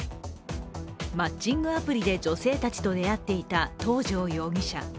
マッチングアプリで女性たちと出会っていた東條容疑者。